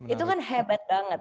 itu kan hebat banget